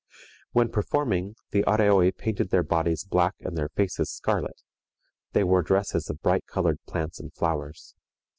When performing, the Areoi painted their bodies black and their faces scarlet; they wore dresses of bright colored plants and flowers.